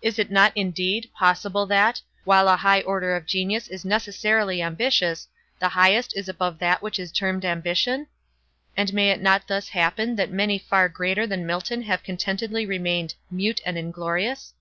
Is it not indeed, possible that, while a high order of genius is necessarily ambitious, the highest is above that which is termed ambition? And may it not thus happen that many far greater than Milton have contentedly remained "mute and inglorious?"